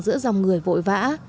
giữa dòng người vội vã